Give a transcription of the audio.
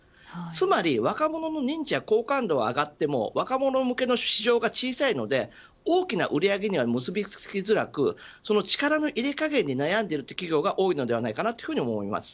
つまり若者の認知や好感度は上がっても若者向けの市場が小さいので大きな売り上げには結び付きづらくその力の入れ加減に悩んでいる企業は多いと思います。